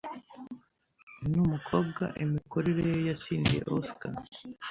Numukobwa imikorere ye yatsindiye Oscar